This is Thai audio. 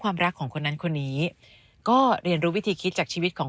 ความรักของคนนั้นคนนี้ก็เรียนรู้วิธีคิดจากชีวิตของ